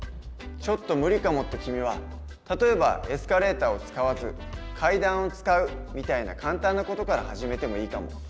「ちょっと無理かも」って君は例えばエスカレーターを使わず階段を使うみたいな簡単な事から始めてもいいかも。